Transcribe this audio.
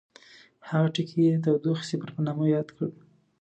هغه ټکی یې د تودوخې صفر په نامه یاد کړ.